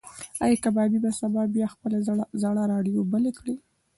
ایا کبابي به سبا بیا خپله زړه راډیو بله کړي؟